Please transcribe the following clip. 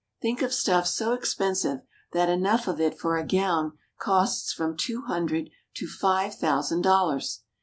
Think of stuff so expensive that enough of it for a gown costs from two hundred to five thousand dollars